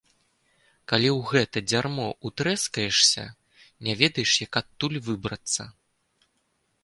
Калі ў гэта дзярмо утрэскаешся, не ведаеш, як адтуль выбрацца.